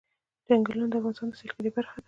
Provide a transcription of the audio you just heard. چنګلونه د افغانستان د سیلګرۍ برخه ده.